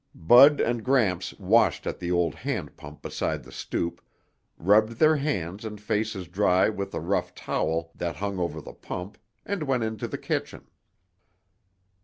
Bud and Gramps washed at the old hand pump beside the stoop, rubbed their hands and faces dry with a rough towel that hung over the pump and went into the kitchen.